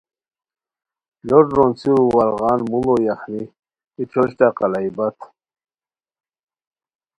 لوٹ رونڅیرو وارغان موڑو پختی ای ٹھوشٹہ قلائی بت